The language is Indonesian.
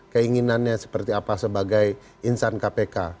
keinginannya seperti apa sebagai insan kpk